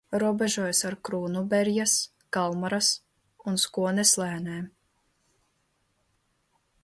Robežojās ar Krūnuberjas, Kalmaras un Skones lēnēm.